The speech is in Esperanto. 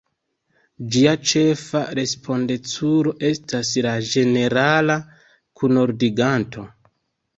Ĝia ĉefa respondeculo estas la Ĝenerala Kunordiganto.